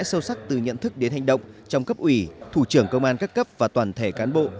sâu sắc từ nhận thức đến hành động trong cấp ủy thủ trưởng công an các cấp và toàn thể cán bộ